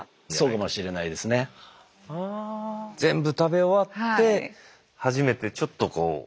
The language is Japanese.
全部食べ終わって初めてちょっとこう。